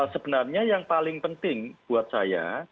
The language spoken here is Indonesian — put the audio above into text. sebenarnya yang paling penting buat saya